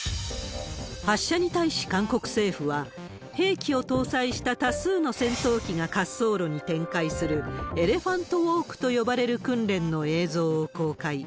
発射に対し韓国政府は、兵器を搭載した多数の戦闘機が滑走路に展開する、エレファントウォークと呼ばれる訓練の映像を公開。